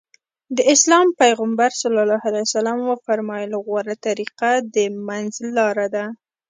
د اسلام پيغمبر ص وفرمايل غوره طريقه د منځ لاره ده.